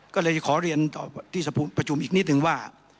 ก็เลยขอเรียนต่อที่ประชุมอีกนิดนึงว่า